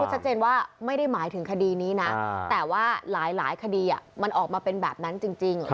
ชัดเจนว่าไม่ได้หมายถึงคดีนี้นะแต่ว่าหลายคดีมันออกมาเป็นแบบนั้นจริง